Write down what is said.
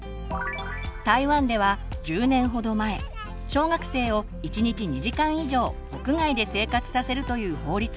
台湾では１０年ほど前小学生を１日２時間以上屋外で生活させるという法律ができました。